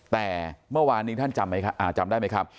แต่เมื่อวานนี้ท่านจำได้ไหมครับ